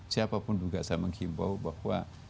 siapapun juga saya menghimbau bahwa